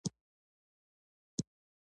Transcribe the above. هرکله چې چاته د محروميت احساس ودرېږي.